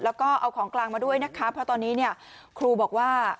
แล้วก็เอาของกลางมาด้วยนะคะเพราะตอนนี้เนี่ยครูบอกว่า